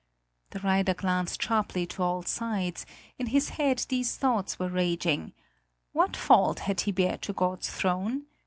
The rider glanced sharply to all sides; in his head these thoughts were raging: what fault had he to bear to God's throne?